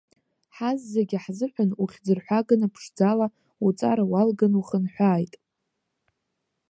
Ҳазегьы ҳзыҳәан ухьӡырҳәаганы, ԥшӡала, уҵара уалганы ухынҳәааит!